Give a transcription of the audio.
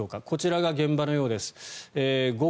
こちらが現場のようです。